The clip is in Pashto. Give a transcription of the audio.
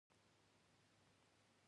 لومړی لیدلوری د انساني کرامت پر بنسټ دی.